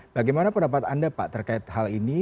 bagaimana pendapat anda pak terkait hal ini